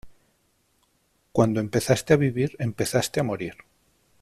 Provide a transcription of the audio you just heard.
Cuando empezaste a vivir empezaste a morir.